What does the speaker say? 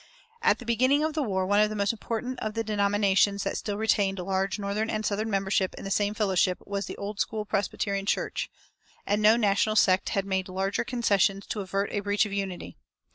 At the beginning of the war one of the most important of the denominations that still retained large northern and southern memberships in the same fellowship was the Old School Presbyterian Church; and no national sect had made larger concessions to avert a breach of unity.